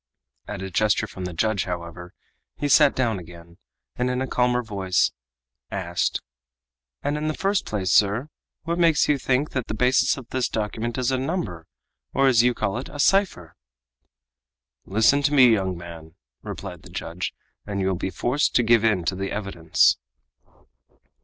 At a gesture from the judge, however, he sat down again, and in a calmer voice asked: "And in the first place, sir, what makes you think that the basis of this document is a number, or, as you call it, a cipher?" "Listen to me, young man," replied the judge, "and you will be forced to give in to the evidence."